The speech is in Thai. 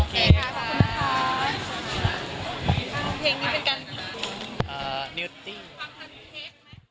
ก็ค่อนข้างคิดว่าตัวเป็นสิ่งที่เหลือตัวได้